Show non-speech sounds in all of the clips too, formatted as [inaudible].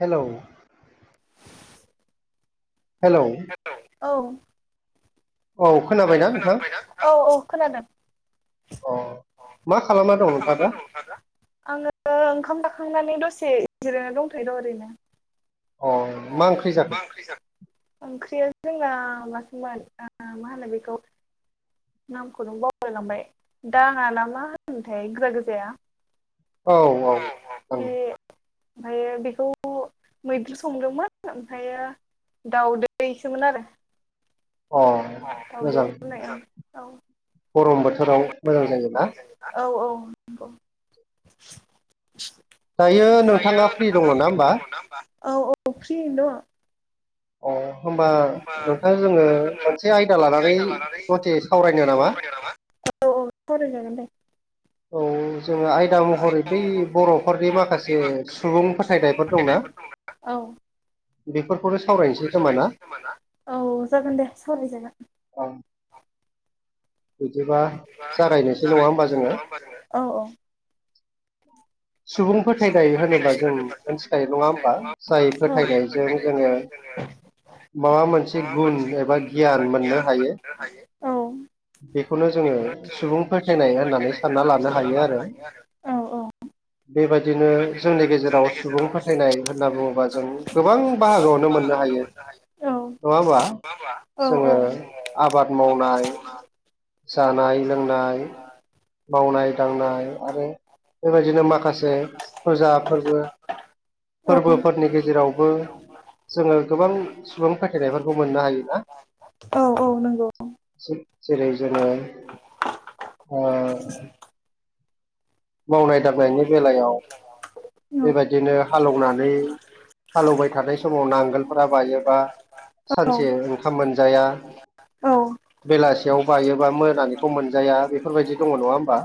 हेल'। Hello. औ। औ खोनाबायना नोंथां? औ औ खोनादों अ मा खालामना दं [unintelligible] नोंथाङा दा आङो ओंखाम जाखांनानै दस से जिरायनानै दंथायो द' ओरैनो। अ मा ओंख्रि जाखो? ओंख्रिया जोंना मासो मोन ओ मा होनो बेखौ नामखौनो बावलायलांबाय दाङा ना मा होनोमोनथाय गोजा गोजाया? औ औ औ। ओमफायो बेखौ मैद्रु संदोंमोन ओमफायो दाउदैसोमोन आरो। अ [unintelligible] दाउदै मोजां रुनाय ओं औ। गरम बोथोराव मोजां जायोना [unintelligible] औ औ नोंगौ। दायो दायो नोंथाङा फ्रि दङ नोंथांङा ना होमबा फ्रिदंङ नंआहोमबा औ औ फ्रियैनो दङ। अ होमबा नोंथां जोंङो मोनसे आयदा लानानै दसे सावरायनो नामा? औ औ सावराय जागोन दे। जोंङो आयदा महरै बै बर'फोरनि माखासे सुबुं फोथायनायफोर दंना। औ। बेफोरखौनो सावरायनोसै खोमा सावरायसै खोमा ना? औ जागोन दे सावरायजागोन। औ बिदिबा बा जागायनोसै नङा होमबा जागायसो जोङो नङा होमबा जोंङो औ औ सुबुं होनोबा फोथायनाय होनोब्ला जों मोनथिखायो नङा होमबा मिथिखायो नङा होनबा जाय फोथायनायजों जोङो फोथायनायजों जोंङो मोनसे माबा गुन मोनसे एबा गुन एबा मोननो गियान हायो मोननो हायो औ बेखौनो जोङो सुबुं फोथायनाय होननानै सानना लानो हायो आरो औ औ बेबायदिनो जोंनि गेजेराव सुबुं फोथायनाय होनना बुङोबा जों गोबां बाहागोआवनो मोननो हायो। औ नङा होमबा औ औ जोङो जोंङो आबाद मावनाय जानाय लोंनाय, मावनाय दांनाय, आरो बेबाय दिनो माखासे फुजा फोरबो औ फोरबोफोरनि गेजेरावबो जोंङो गोबां सुबुं फोथायनायफोरखौ मोननो हायोना। औ औ नंगौ जेरै जोनङो ओ मावनाय दांनायनि बेलायाव औ बेबायदिनो हालेवनानै हालौवबाय थानाय समाव नांगोलफोरा बायोबा औ औ सानसे ओंखाम मोनजाया औ बेलासियाव बायोबा मोनानिखौ मोनजाया बेफोरबायदि दङ नङा होमबा?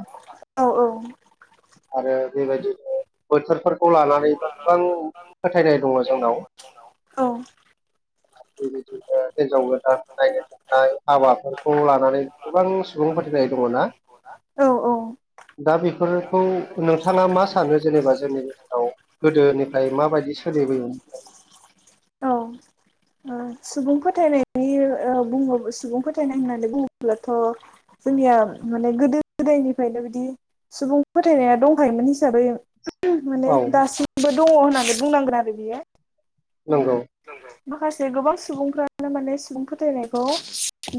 आरो बेबायदिनो बोथोरफोरखौ लानानैबो गोबां फोथायनाय दङ जोंनाव। [inaudible] औ बेबायदिनो हिनजाव गोदान नायनो थाखाय हाबाफोरखौ लानानै गोबां सुबुं फोथा [unintelligible] औ दङना दा बेफोरखौ नोंथाङा मा सानो जेनेबा जोंनि गेजेराव गोदोनिफ्राय माबायदि सोलि [unintelligible] औ ओ सुबुं फोथायनायनि बुं सुबुं फोथायनाय होननानै बुङोब्लाथ' जोंनिया माने गोदो गोदायनिफ्रायनो बिदि सुबुं फोथायनाया दंखायोमोन हिसाबै माने औ दासिमबो दङ होननानै बुंनांगोन आरो बियो। नंगौ माखासे गोबां सुबुंफ्रानो माने सुबुं फोथायनाय खौ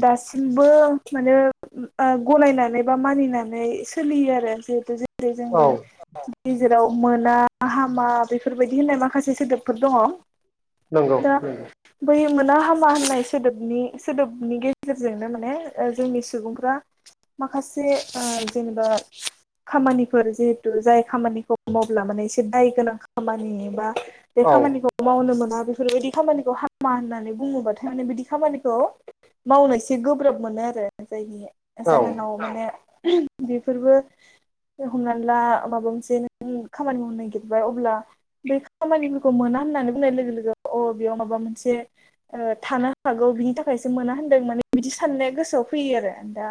दासिमबो माने ओ गनायनानै बा मानिनानै सोलि यो आरो जेहेथु जोंनि औ [unintelligible] जेराव मोना हामा बेफोरबायदि होननाय माखासे सोदोबफोर दङ। नंगौ दा नंगौ बै मोना हामा होननाय सोदोबनि सोदोबनि गेजेरजोंनो माने ओ जोंनि सुबुंफ्रा माखासे ओ जेनेबा [inaudible] खामानिफोर जिहेतु जाय खामानिखौ मावब्ला माने एसे दाय गोनां खामानि बा बे औ खामानिखौ मावनो मोना बेफोरबायदि खामानिखौ हामा होननानै बुङोबाथाय माने बिदि खामानिखौ मावनो एसे गोब्राब मोनो आरो जायनि औ जाहोनाव माने बेफोरबो हमनानै ला माबा मोनसे नों खामानि मावनो नागिरबाय अब्ला बै खामानिफोरखौ मोना होननानै बुंनाय लोगो लोगो अ बेयाव माबा मोन से थानो ओ हागौ बिनि थाखायसो मोना होनदों माने बिदि साननाया गोसोआव फैयो आरो दा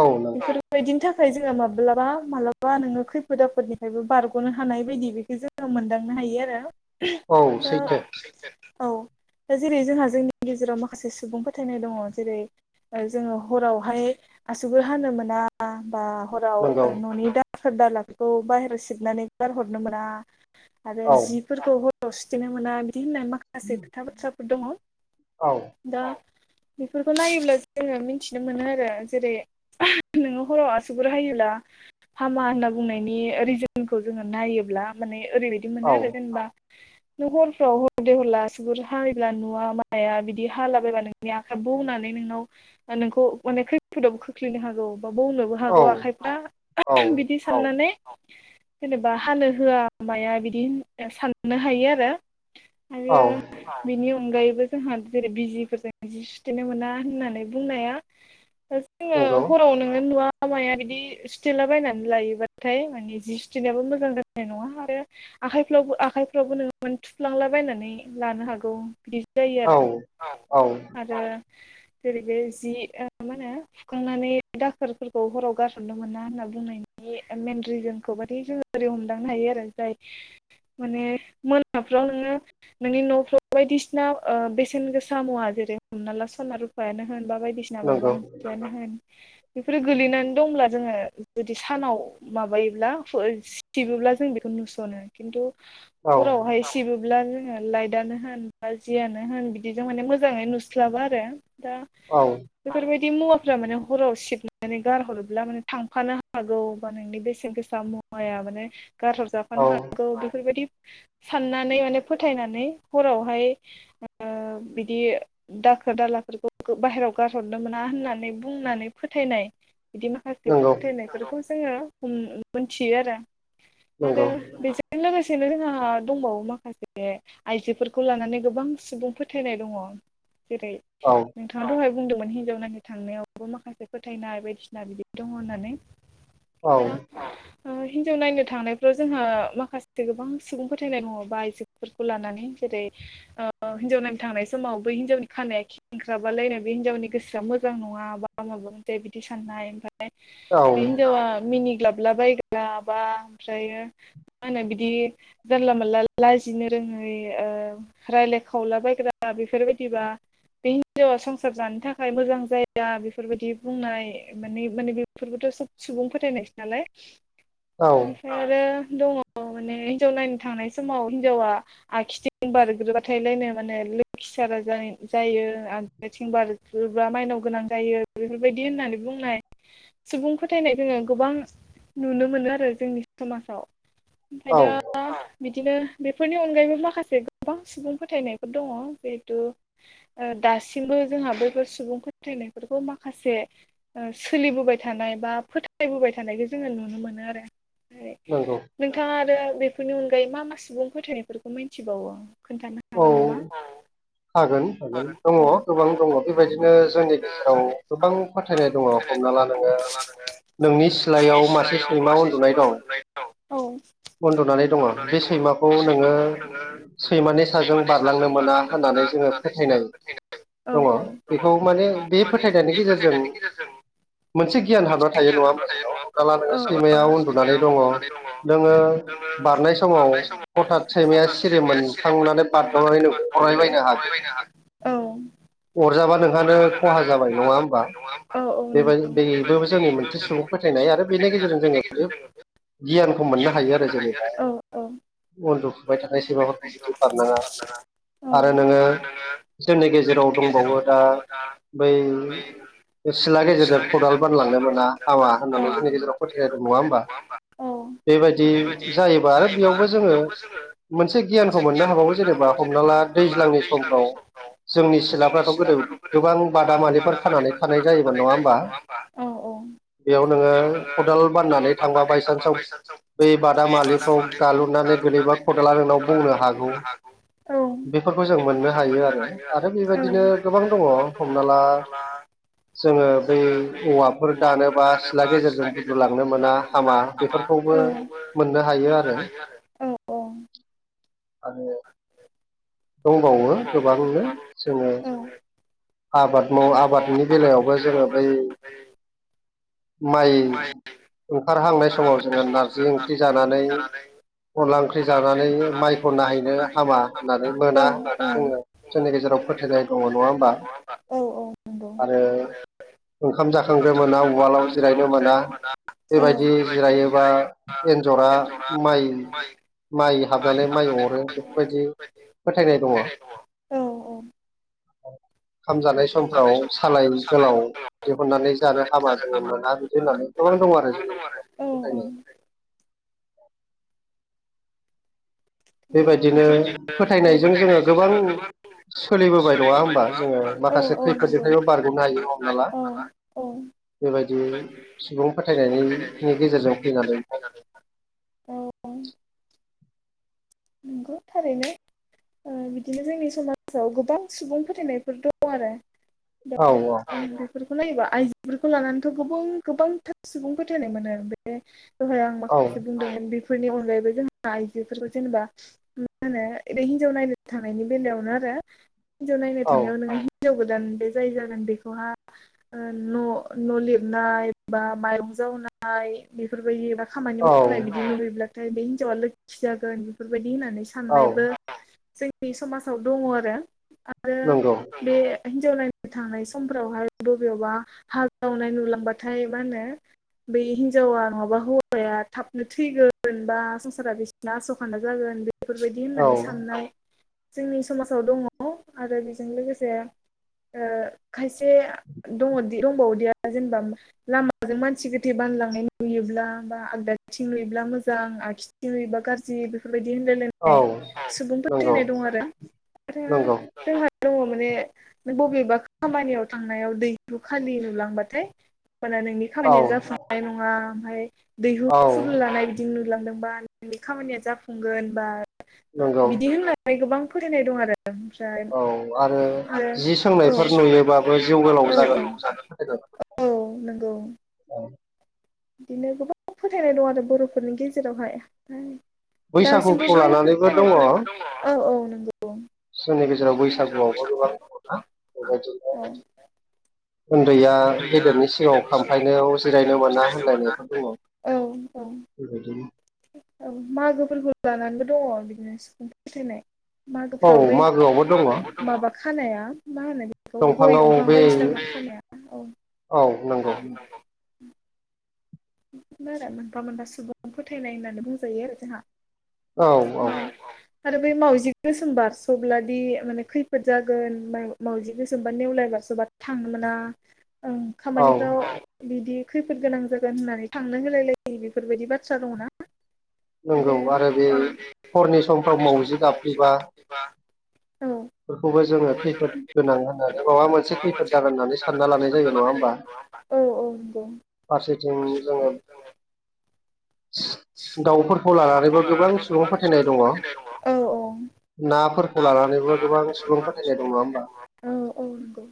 औ नंगौ बेफोरबायदिनि थाखाय थाखाय जोङो माब्लाबा मालाबा नोङो खैफोद आफोदनिफ्रायबो बारग'नो हानाय बायदि बेखौ जोङो मोनदांनो हायो आरो दा औ सैथो औ दा जेरै जोंहा जोंनि गेजेराव माखासे सुबुंफोर फोथायनाय दङ जेरै जोङो हरावहाय आसुगुर हानो मोना बा हराव नंगौ न'नि दाखोर दालाफोरखौ बाहेरायाव सिबनानै गारहरनो मोना आरो औ जिफोरखौ हराव सुथेनो मोना बिदि होननाय माखासे खोथा बाथ्राफोर दङ औ दा बेफोरखौ नायोब्ला जोङो मिनथिनो मोनो आरो जेरै नोङो हराव आसुगुर हायोब्ला हामा होनना बुंनायनि रिजोनखौ जोङो नायोब्ला माने ओरैबायदि औ मोनो आरो जेनबा नों हरफ्राव हरदे हरला सिगुर हायोब्ला नुवा माया बिदि हालाबायबा नो नि आखाइब बौनानै नोंनाव नोंखौ अनेख खैफोदाव खोख्लैनो हागौ मा बावनोबो औ हागौ आखाइफ्रा औ बिदि औ साननानै जेनेबा हानो होआ माया बिदि साननो हायो आरो आरो औ बिनि अनगायैबो जोंहा जेरै बिजिफोर जों जि सुथेनो मोना होननानै बुंनाया जोङो नंगौ हराव नोङो नुवा माया बिदि सुथेला बायनानै लायोबाथाय माने जि सुथेनायाबो मोजां जानाय नङा आरो आखाइफ्लावबो आखाइफ्रावबो नों थुफ्लांलाबायनानै लानो हागौ औ औ ओ जेरै बे जि मा होनो फुखांनानै दाखोरफोरखौ हराव गारहदनोमोना होनना बुंनाय नि मेन रिजोनखौ माने जोङो ओरै हमदांनो हायो आरो जाय माने मोना फ्राव नोङो नोंनि न'फ्राव बायदिसिना ओ बेसेन गोसा मुवा जेरै हमना ला सना रुफायानो होन बा बायदिसिना माबा नंगौ माबियानो होन [inaudible] बेफोरो गोलैनानै दंब्ला जोङो जुदि सानाव माबायोब्ला सिटिबोब्ला जों बेखौ नुसनो खिन्थु औ हरावहाय सिब ब्ला जोङो लाइदानो होन बा जियानो होन बिदिजों माने मोजाङै नुस्लाबा आरो दा औ बेफोरबायद दि मुवाफ्रा माने हराव सिबनानै गारहरोब्ला माने थांफानो हागौ बा नोंनि बेसेन गोसा मुवा माइआ माने गारहरजफानो औ हागौ बेफोरबायदि साननानै माने फोथायनानै हरावहाय ओ बिदि दाखोर दालाफोरखौ बाहेराव गारहरनो मोना होननानै बुंनानै फोथायनाय बिदि माखासे नंगौ फोथायनायफोरखौ जोङो हम मोनथियो आरो आरो नंगौ बे जों लोगोसे सेनो रोहा दंबावो माखासे आइजोफोरखौ लानानै गोबां सुबुं फोथायनाय दङ जेरै औ नोंथाङा दहाय बुंदोंमोन हिनजावनाखि थांनायावबो माखासे फोथायनाय बायदिसिना बिदि दङ होननानै औ दा हिनजाव नायनो थांनायफ्राव जोंहा माखासे गोबां सुबुं फोथायनाय दङ बा आइजोफोरखौ लानानै जेरै ओ हिन्जाव नायनो थांनाय समाव बै हिनजावनि खानाया खेंख्राबालायनाय बे हिनजावनि गोसोआ मोजां नङा बा माबा मोनसे बिदि साननाय बा बे हिनजावा मिनि ग्लाबला बायग्रा बा ओमफ्रायो मा होनो बिदि जानला मोनला लाजिनो रो रोङै ओ राय्लाय खावला बायग्रा बेफोरबायदिबा बे हिनजावा संसार जानो थाखाय मोजां जाया बेफोरबायदि बुंनाय माने माने बेफोरबोथ' सुबुं फोथायनायसो नालाय औ बेनिफ्राय आरो दङ माने हिनजाव नायनो थांनाय समाव हिनजावा आखिथिं बारग्रोबाथायलायनो माने लोख साराजायन जायो आगदाथिं बारोबा माइनाव गोनां जायो बेफोरबायदि होननानै बुंनाय सुबुं फोथायनाय जोङो गोबां नुनो मोनो आरो जोंनि समाजाव ओमफाय दा औ बिदिनो बेफोरनि अनगायैबो माखासे गोबां सुबुं फोथायनायफोर दङ जिहेथु ओ दासिमबो जोंहा बैफोर सुबुं फोथायनायफोरखौ माखासे ओ सोलिबोबाय थान नायबा फोथायबोबाय थानायखौ जोङो नुनो मोनो आरो नंगौ नोंथाङा आरो बेफोरनि अनगायै मा मा सुबुं फोथायनायफोरखौ मिन्थिबावो खोन्थानो हागोन नामा? औ हागोन हागोन दङ औ गोबां दङ बेबायदिनो जोंनि गेजेराव गोबां फोथायनाय दङ हम साला नोङो नोंनि सिलायाव मासे सैमा उन्दुनाय दं औ उन्दुनानै दङ बे सैमाखौ नोङो सैमानि फिसाजों बारलांनो मोना होननानै जोङो फोथायनाय औ दङ औ बेखौ माने बे फोथायनायनि गेजेरजों मोनसे गियान हाबना थायो नङा होमबा जोंनाव हमला नोङो सैमाया उन्दुनानै दङ नोङो बारनाय समाव हथााद सैमाया सिरि मोनखांनानै बारद'बाय अरायबायनो हाग औ अरजाबा नोंहानो खहा जाबाय नङा होमबा औ औ बेबाय नंगौ बेबोबो जोंनि मोनसे सुबुं फोथायनाय आरो बेनि गेजेरजों जोङो बे गियानखौ मोननो हायो आरो जेनेबा औ औ उन्दुफुबाय थानाय सैमाफोरखौ बिदि बारनाङा औ आरो नोङो जोंनि गेजेराव दंबावो दा बै सिला गेजेरजों खदाल बानलांनो बारलांनो हामा मोना औ होननानै जोंनि गेजेराव फोथायनाय नङा दं नङा होमबा औ बेबायदि जायोबा आरो बेयावबो जोङो मोनसे गियानखौ मोननो हाबावो जेनेबा हमना ला दैज्लांनि समफ्राव जोंनि सिलाफ्राथ' गोदो गोबां बादामालिफोर मालिफोर खानानै थानाय जायोमोन नङा होमबा औ औ बेयाव नोङो खदाल बाननानै थांबा बायसान्सआव बै बादामालिखौ गालुनानै गोलैबा खदला नोंनाव बुंनो हागौ बेफोरखौ जों मोननो हायो आरो आरो बेबायदिनो गोबां दङ हमना ला जोङो बै औवाफोर दानोबा सिथ्ला गेजेरजों बुद्रुलांनो मोना हामा बेफोरखौ खौबो मोननो हायो आरो आरो दंबावो गोबांनो जोङो आबाद माव आबादनि बेलायावबो जोङो बै माइ ओंखारहांनाय समाव जोङो नारजि ओंख्रि जानानै अनला ओंख्रि जानानै माइखौ नायहैनो हामा होननानै मोना होननानै नंगौ जोङो जोंनि गेजेराव फोथायनाय दङ नङा होमबा औ औ आरो ओंखाम जाखांग्रो मोना उवालाव जिरायनो मोना मोना बेबायदि जिरायोबा एन्जरा माइ माइ हाबनानै माइ अरो बेफोरबायदि फोथायनाय दङ औ ओंखाम जानाय समफ्राव सालाय गोलाव दिहुननानै जानो हाबा जोङो मोना बिदि होननानै दं आरो जोंनि औ औ फोथायनाया [inaudible] बेबायदिनो फोथायनायजों जोङो गोबां सोलिबोबाय नङा होमबा जोङो औ माखासे औ नंगौ खैफोदनिफ्रायबो बारग'नो हायो हमना ला औ औ बेबायदि सुबुं फोथायनायनि गेजेरजों फैनानै [inaudible] औ नंगौ थारैनो बिदिनो जोंनि समाजाव गोबां सुबुं फोथायनायफोर दं आरो दा औ बेफोर खौनायोबा आइजोफोरखौ लानानैथ' गोबां गोबांथार सुबुं फोथायनाय मोनो बे दहाय आं माखासे बुंदोंमोन बेफोरनि अनगायैबो जोंहा आइजोफोरखौ जेनेबा मा होनो रै हिनजाव नायनो थांनि बेलायावनो आरो हिनजाव नायनो औ थांनायाव ननो हिनजाव गोदान बे जाय जागोन बेखौहा ओ न' न' लिरनाय बा मायरं जा जावनाय बेफोरबायदि बा खामानि औ मावनाय बिदि नुुबैब्लाथाय बे हिनजावा लोखि जागोन बेफोरबायदि दि होननानै औ साननायबो जोंनि समाजाव दङ आरो आरो नंगौ बे हिनजाव नायनो थांनाय समफोरावहाय बबेयावबा हाजावनाय नुलांबाथाय मा होनो बै हिनजावा नङाबा हौवाया थाबनो थैगोन बा संसारा बिसिना आस खान्दा जागोन बेफोरबायदि औ होननानै साननाय जोंनि समाजाव दंङो आरो बेजों लोगोसे खायसे [unintelligible] दंबावोदिया जेनेबा लामाजों मानसि गोथे बानलांनाय नुयोब्ला बा आगदा थिं नुयो मोजां आखिथिं नुयोब्ला जि बेफोरबायदि औ होनलायायनाय सुबुंफोर नंगौ थैनाय दं आरो नंगौ जों दंङो माने बबेबा खामानियाव थांनायाव दैरुखालि नुलांबाथाय नोंनि औ खामानिया जाफुंनाय नंङा ओमफ्राय दैहु औ फुलु लानाय बिदि नुलां बा नोंनि खामानिया जाफुंगोन बा नंगौ बिदि होननानै गोबां फोथायनाय दं आरो ओमफ्राय औ आरो आरो जि औ सोंनायफोर जि सोंनाय नुयोबाबो जिउ नुयोब्लाबो जिउ गोलाव होननानै जागोन औ - औ नंगौ औ बिदिनो गोबां फोथायनाय दं आरो बर'फोरनि गेजेरावहाय दासिम बैसागुखौ लानानैबो दङ औ - औ नंगौ जोंनि गेजेराव बैसागुआवबो गोबां दंङो ना बेबायदिनो औ उन्दैया गेदेरनि सिगांङाव खामफायनोाव जिरायनो मोना होनलायनायफोर दंङो औ औ बेबायदिनो औ मागोफोरखौ लानांगौ दंङो बिदिनो सुबुं फोथायनाय औ मागोफ्राव बै मागोआवबो दङ माबा खानाया मा होनो बेखौ गय दंफाङाव दंफां बे बायदिसिना खानाया औ औ नंगौ नंगौ बिनो आरो मोनफा मोनफा सुबुं फोथायनाय होननानै बुंजायो आरो जोंहा औ - औ माने आरो बै मावजि गोसोम बारसब्ला दि माने खैफोद जागोन मावजि गोसोम बा नेवलाय बा थांनो मोना औ खामानि बि खैफोद गोनां जा होननानै थांनो होलाय लायो बेफोरबायदि बाथ्रा दंङोंना नंगौ आरो बे हरनि समफ्राव मावजि गाबहैबा बेबो खैफोद गोनां जोंङो होननानै माबा खैफोद मोनसे जागोन होननानै जायो सानना नङा लानाय होमबा जायो। औ - औ नंगौ फारसेथिं जोङो [unintelligible] दाउफोरखौ लानानैबो दाउफोरखौ लानानैबा सुबुं गोबां फोथायनाय दङ सुबुंफोथायनाय दंङो औ - औ नाफोरखौ लानानैबो गोबां सुबुं फोथायनाय दंङो होमबा औ औ नंगौ